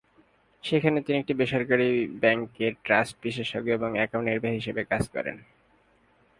যেখানে তিনি একটি বেসরকারি ব্যাংকের ট্রাস্ট বিশেষজ্ঞ এবং অ্যাকাউন্ট নির্বাহী হিসেবে কাজ করেন।